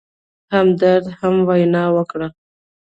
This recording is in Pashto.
همدرد هم وینا وکړه.